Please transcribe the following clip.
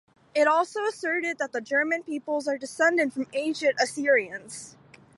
It is also asserted that the German peoples are descended from ancient Assyrians.